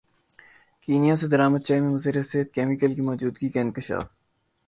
Kenya سے درامد چائے میں مضر صحت کیمیکل کی موجودگی کا انکشاف